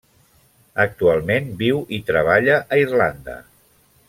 Actualment viu i treballa a Irlanda.